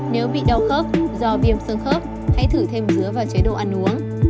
nếu bị đau khớp do viêm xương khớp hãy thử thêm dứa vào chế độ ăn uống